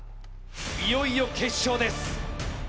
いよいよ決勝です